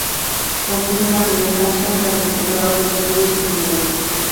Compuso una primer canción cuando cursaba sus estudios secundarios.